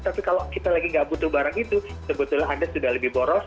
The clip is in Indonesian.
tapi kalau kita lagi nggak butuh barang itu sebetulnya anda sudah lebih boros